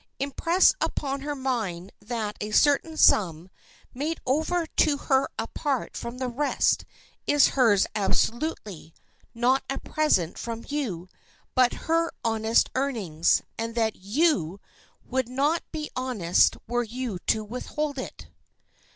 Impress upon her mind that a certain sum, made over to her apart from the rest, is hers absolutely, not a present from you, but her honest earnings, and that you would not be honest were you to withhold it.